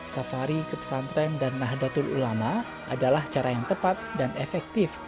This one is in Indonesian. safari ke pesantren dan nahdlatul ulama adalah cara yang tepat dan efektif